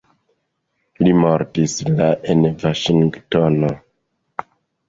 Li mortis la en Vaŝingtono.